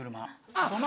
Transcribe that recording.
あっ！